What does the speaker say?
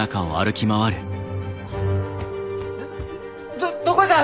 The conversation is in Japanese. どどこじゃ？